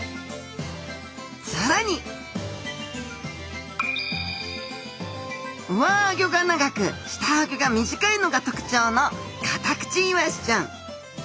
更に上あギョが長く下あギョが短いのが特徴のカタクチイワシちゃん。